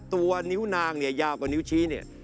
ตัวนิ้วนางเนี่ยยาวกว่านิ้วชี้เนี่ย